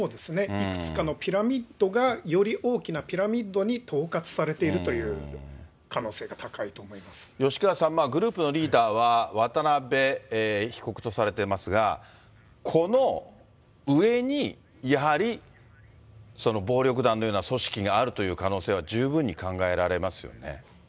いくつかのピラミッドがより大きなピラミッドに統括されていると吉川さん、グループのリーダーは渡辺被告とされていますが、この上にやはりその暴力団のような組織があるという可能性は十分に考えられますよね。